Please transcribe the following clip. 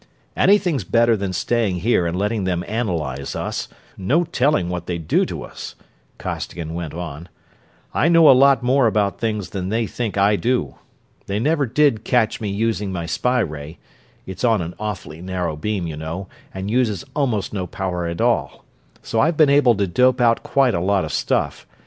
"Anything's better than staying here and letting them analyze us no telling what they'd do to us," Costigan went on. "I know a lot more about things than they think I do. They never did catch me using my spy ray it's on an awfully narrow beam, you know, and uses almost no power at all so I've been able to dope out quite a lot of stuff.